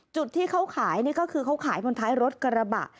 จุดที่เขาขายนี่ก็คือเขาขายบนท้ายรถกระบะ